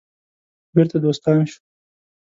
بیرته دوستان شو.